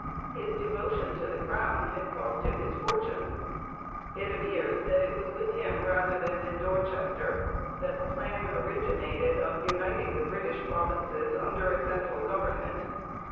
His devotion to the crown had cost him his fortune. It appears that it was with him, rather than with Dorchester, that the plan originated of uniting the British provinces under a central government.